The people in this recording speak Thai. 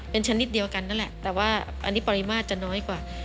เป็นชนิดเดียวกันนั่นแหละแต่ว่าอันนี้ปริมาตรจะน้อยกว่า